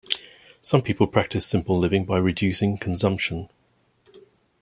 Some people practice simple living by reducing consumption.